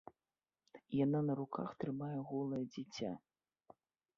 Яна на руках трымае голае дзіця.